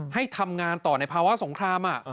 ให้ทำงานต่อในภาวะสงคราม